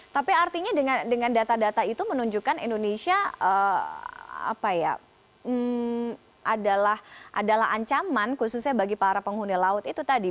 tapi artinya dengan data data itu menunjukkan indonesia adalah ancaman khususnya bagi para penghuni laut itu tadi